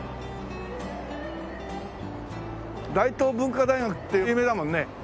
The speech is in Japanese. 大東文化大学って有名だもんね。